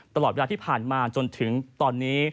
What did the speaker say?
ตลอดเวลาที่ผ่านมาจนถึงตอนนี้